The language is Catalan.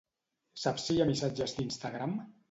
Saps si hi ha missatges d'Instagram?